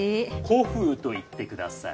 古風と言ってください。